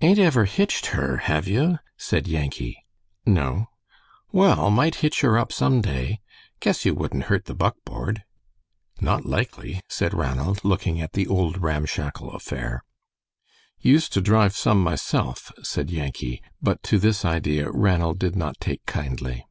"Ain't ever hitched her, have you?" said Yankee. "No." "Well, might hitch her up some day. Guess you wudn't hurt the buckboard." "Not likely," said Ranald, looking at the old, ramshackle affair. "Used to drive some myself," said Yankee. But to this idea Ranald did not take kindly.